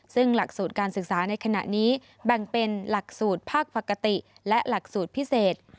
ซึ่งหลักสูตรการศึกษาในขณะนี้แบ่งเป็นหลักสูตรภาคปกติและหลักสูตรพิเศษ